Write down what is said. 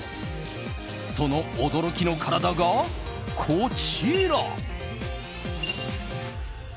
その驚きの体が、こちら。